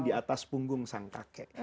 di atas punggung sang kakek